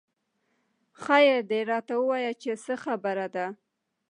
خېر دۍ راته وويه چې څه خبره ده